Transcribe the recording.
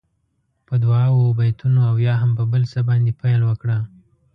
په دعاوو، بېتونو او یا هم په بل څه باندې پیل وکړه.